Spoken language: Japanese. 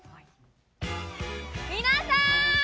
皆さん！